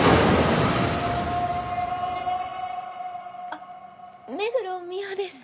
あっ目黒澪です。